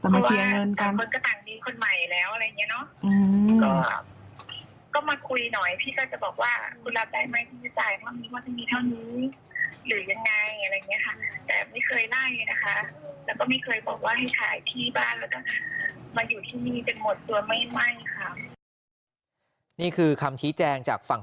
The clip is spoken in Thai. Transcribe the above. มาอยู่ที่นี่จะหมดตัวไม่มั่นค่ะนี่คือคำชี้แจงจากฝั่ง